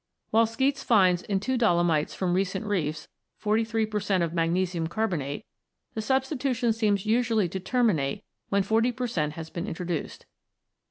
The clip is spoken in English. While Skeats finds in two dolomites from recent reefs 43 per cent, of magnesium carbonate, the substitution seems usually to terminate when 40 per cent, has been introduced.